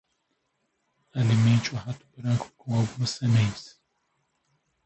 Alimente o rato branco com algumas sementes.